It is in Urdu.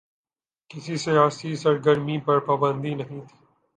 کسی سیاسی سرگرمی پر پابندی نہیں تھی۔